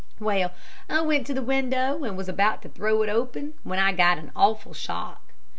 "Well, I went to the window and was about to throw it open, when I got an awful shock.